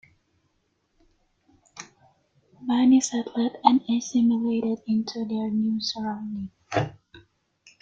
Many settled and assimilated into their new surroundings.